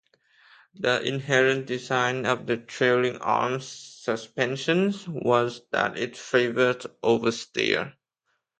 The inherent design of the trailing arm suspension was that it favoured oversteer.